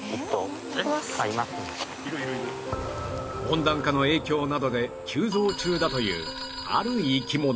温暖化の影響などで急増中だというある生き物